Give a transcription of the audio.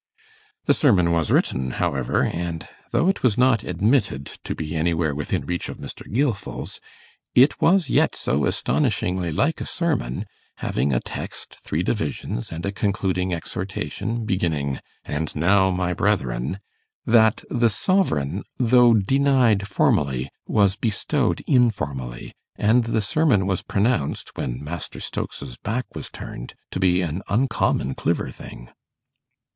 The sermon was written, however; and though it was not admitted to be anywhere within reach of Mr. Gilfil's, it was yet so astonishingly like a sermon, having a text, three divisions, and a concluding exhortation beginning 'And now, my brethren', that the sovereign, though denied formally, was bestowed informally, and the sermon was pronounced, when Master Stokes's back was turned, to be 'an uncommon cliver thing'.